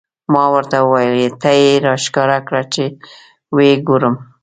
ما ورته وویل: ته یې را ښکاره کړه، چې و یې ګورم.